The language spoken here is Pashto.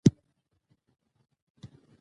ډېر په تېزى راڅخه تېر شو.